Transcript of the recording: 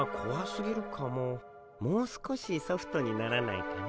もう少しソフトにならないかな。